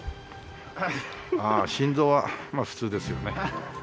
ああ心臓はまあ普通ですよね。